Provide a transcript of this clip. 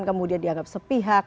kemudian dianggap sepihak